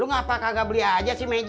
lu ngapa kagak beli aja sih meja